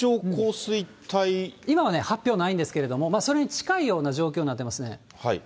今はね、発表ないんですけど、それに近いような状況になってますね。